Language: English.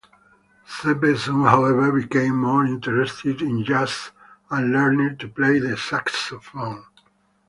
Sepe soon, however, became more interested in jazz and learned to play the saxophone.